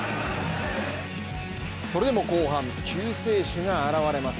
それでも後半、救世主が現れます。